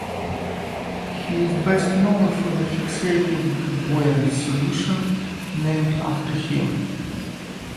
He is best known for the fixative Bouin solution named after him.